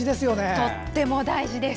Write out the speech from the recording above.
とっても大事です！